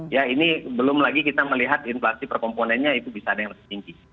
ya ini belum lagi kita melihat inflasi per komponennya itu bisa ada yang lebih tinggi